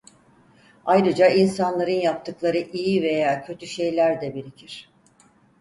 Ayrıca insanların yaptıkları iyi veya kötü şeyler de birikir.